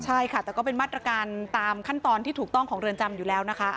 ใช่ค่ะแต่ก็เป็นมาตรการตามขั้นตอนที่ถูกต้องของเรือนจำอยู่แล้วนะคะ